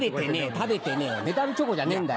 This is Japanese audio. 食べてねえメダルチョコじゃねえんだ。